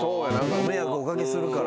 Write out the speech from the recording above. ご迷惑お掛けするから。